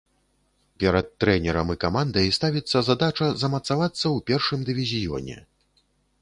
Перад трэнерам і камандай ставіцца задача замацавацца ў першым дывізіёне.